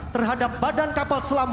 terhadap badan kapal selam